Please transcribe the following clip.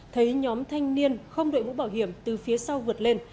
thấy nhóm thanh niên không đội mũ bảo hiểm từ phía sau vượt lên